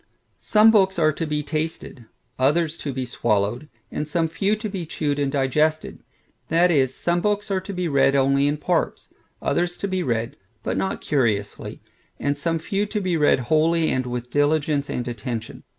Some books are to be tasted, others to be swallowed, and some few to be chewed and digested; that is, some books are to be read only in parts; others to be read, but not curiously; and some few to be read wholly, and with diligence and attention.